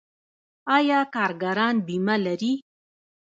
آیا کارګران بیمه لري؟